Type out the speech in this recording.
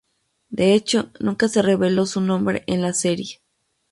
De hecho, nunca se reveló su nombre en la serie.